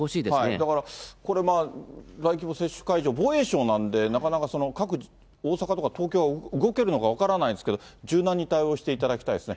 だからこれ、大規模接種会場、防衛省なんで、なかなか各、大阪とか東京は、動けるのか分からないんですけど、柔軟に対応してもらいたいですね。